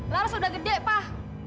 laras udah gede pak